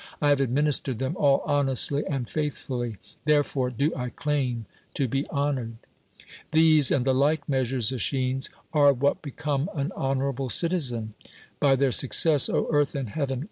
1 have administered them all honestly and faithfully. Therefore do I claim to be honored. These and the like measures, ^Eschines, are 17!» THE WORLD'S FAMOUS ORATIONS what become an honorable citizen (by their suc cess — earth and heaven